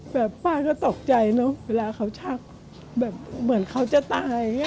แบบป้าก็ตกใจเนอะเวลาเขาชักแบบเหมือนเขาจะตาย